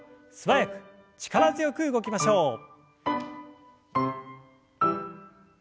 素早く力強く動きましょう。